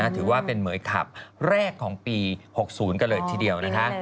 ถือว่าเป็นเหมือยขับแรกของปี๖๐กันเลยทีเดียวนะคะ